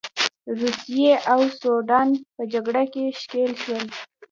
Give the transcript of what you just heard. روسیې او سوېډن په جګړه کې ښکیل شول.